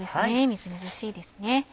みずみずしいですね。